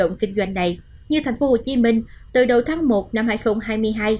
các cơ sở kinh doanh này như thành phố hồ chí minh từ đầu tháng một năm hai nghìn hai mươi hai